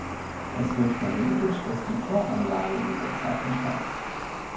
Es wird vermutet, dass die Toranlage in dieser Zeit entstand.